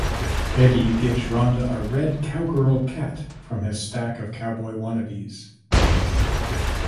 Eddie gives Rhonda a red cowgirl cat from his stack of cowboy wannabes.